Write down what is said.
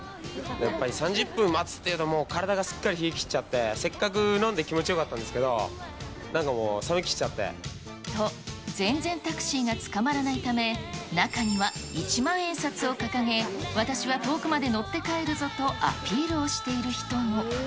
やっぱり３０分待つっていうと、体がすっかり冷えきっちゃって、せっかく飲んで気持ちよかったんですけど、なんかもう、冷めきっと、全然タクシーがつかまらないため、中には一万円札を掲げ、私は遠くまで乗って帰るぞとアピールをしている人も。